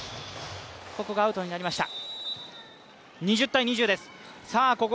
ここがアウトになりました。